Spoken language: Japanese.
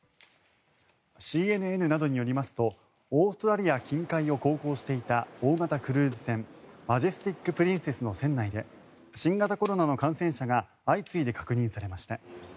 ＣＮＮなどによりますとオーストラリア近海を航行していた大型クルーズ船「マジェスティック・プリンセス」の船内で新型コロナの感染者が相次いで確認されました。